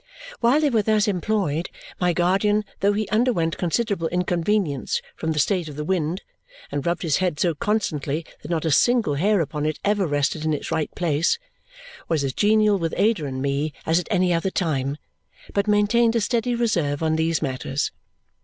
While they were thus employed, my guardian, though he underwent considerable inconvenience from the state of the wind and rubbed his head so constantly that not a single hair upon it ever rested in its right place, was as genial with Ada and me as at any other time, but maintained a steady reserve on these matters.